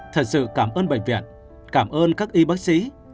thật sự cảm ơn bệnh viện cảm ơn các y bác sĩ